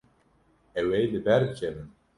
Ew ê li ber bikevin.